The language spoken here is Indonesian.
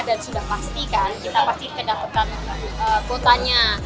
dan sudah pasti kan kita pasti kedapatan kotanya